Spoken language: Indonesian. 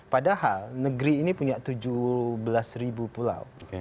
padahal negeri ini punya tujuh belas ribu pulau